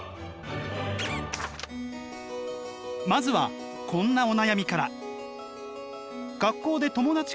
まずはこんなお悩みから。